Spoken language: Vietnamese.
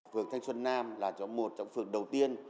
phường thanh xuân nam là trong một trong phường đầu tiên